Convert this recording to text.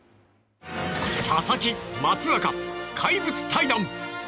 佐々木・松坂、怪物対談。